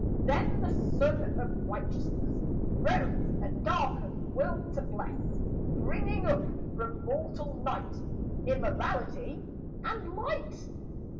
Then the Sun of righteousness Rose, a darkened world to bless, Bringing up from mortal night, Immortality and light.